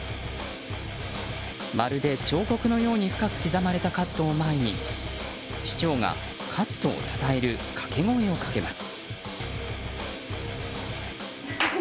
まるで彫刻のように深く刻まれたカットを前に市長が、カットをたたえるかけ声をかけます。